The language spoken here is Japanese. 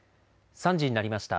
３時になりました。